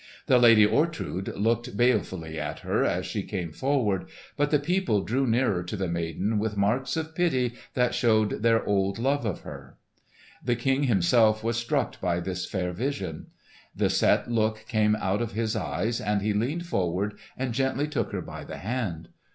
The lady Ortrud looked balefully at her as she came forward, but the people drew nearer to the maiden with marks of pity that showed their old love for her. The King himself was struck by this fair vision. The set look came out of his eyes, and he leaned forward and gently took her by the hand.